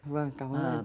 vâng cảm ơn anh